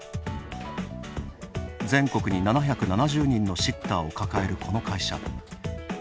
全国に７７０人のシッターを抱える、この会社。